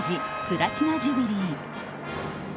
プラチナ・ジュビリー。